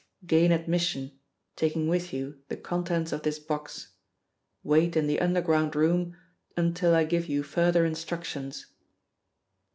Gain admission, taking with you the contents of this box. Wait in the underground room until I give you further instructions.'